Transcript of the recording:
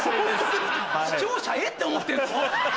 視聴者「え？」って思ってんの？